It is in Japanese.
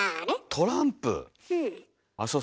トランプ。